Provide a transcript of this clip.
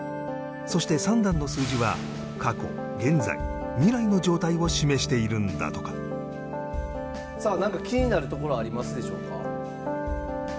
そして３段の数字は過去現在未来の状態を示しているんだとかなんか気になるところありますでしょうか？